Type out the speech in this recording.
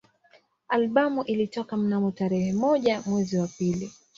Albamu ilitoka mnamo tarehe moja mwezi wa pili